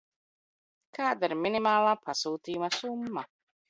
Kāda ir minimālā pasūtījuma summa?